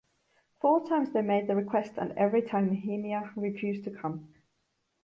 Four times they made the request, and every time Nehemiah refused to come.